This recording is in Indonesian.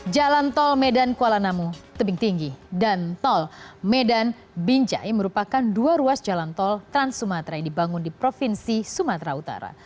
jalan tol medan kuala namu tebing tinggi dan tol medan binjai merupakan dua ruas jalan tol trans sumatera yang dibangun di provinsi sumatera utara